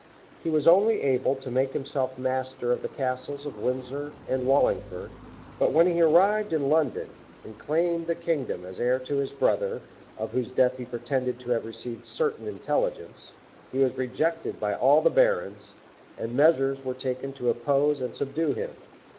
He was only able to make himself master of the castles of Windsor and Wallingford; but when he arrived in London, and claimed the kingdom as heir to his brother, of whose death he pretended to have received certain intelligence he was rejected by all the barons, and measures were taken to oppose and subdue him.